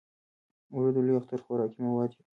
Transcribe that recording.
اوړه د لوی اختر خوراکي مواد دي